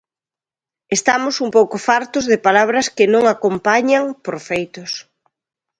Estamos un pouco fartos de palabras que non acompañan por feitos.